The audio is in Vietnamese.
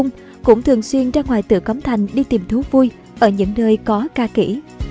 ông cũng thường xuyên ra ngoài tựa cấm thành đi tìm thú vui ở những nơi có ca kỷ